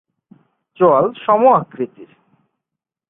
চোয়াল সম-আকৃতির।